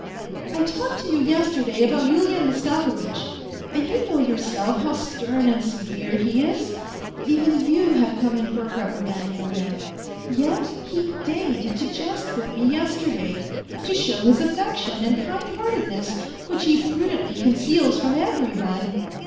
" I talked to you yesterday about Yulian Mastakovitch. And you know yourself how stern and severe he is, even you have come in for a reprimand from him ; yet he deigned to jest with me yesterday, to show his affection, and kind heartedness, which he prudently conceals from every one.